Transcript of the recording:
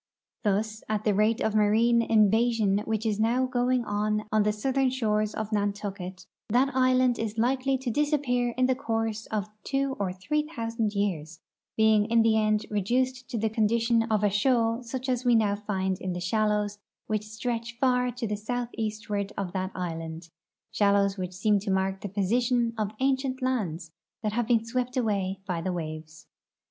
Thus, at the rate of marine invasion which is now going on on the southern shores of Nantucket, that island is likely to disappear in the course of two or three thousand years, being in the end reduced to the condition of a shoal such as we now find in the shallows which stretch far to the southeastward of that island, shallows which seem to mark the position of ancient lands that have been swept away by the waves.